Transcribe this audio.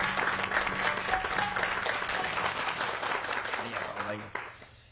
ありがとうございます。